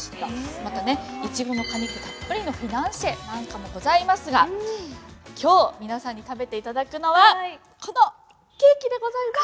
またねいちごの果肉たっぷりのフィナンシェなんかもございますが今日皆さんに食べていただくのはこのケーキでございます。